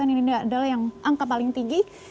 ini adalah yang angka paling tinggi